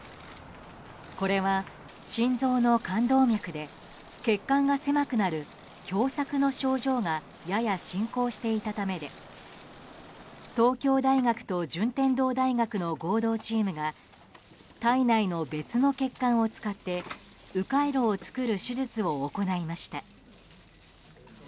これは、心臓の冠動脈で血管が狭くなる狭窄の症状がやや進行していたためで東京大学と順天堂大学の合同チームが体内の別の血管を使ってう回路を作る手術を行いました。